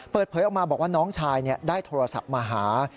เปิดเผยออกมาบอกว่าน้องชายได้โทรศัพท์มาหา